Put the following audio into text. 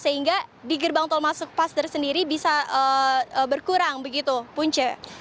sehingga di gerbang tol masuk paster sendiri bisa berkurang begitu punca